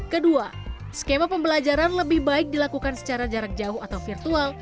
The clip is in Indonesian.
kedua skema pembelajaran lebih baik dilakukan secara jarak jauh atau virtual